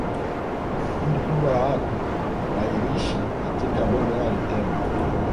Kundi kubwa la watu wailishi katika Bonde la Litembo